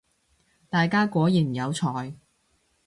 大家果然有才